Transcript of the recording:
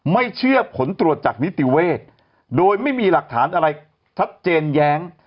ไม่เชื่อผลตรวจจากนิติเวศโดยไม่มีหลักฐานอะไรชัดเจนแย้ง